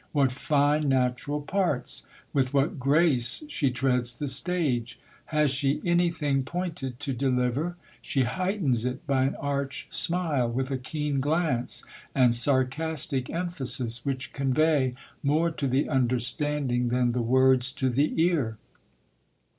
What fine natural parts ! With what grace she treads the stage ! Has she anything pointed to deliver ? she heightens it by an arch smile, with a keen glance and sarcastic emphasis, which convey more to the understanding than the words to the ear.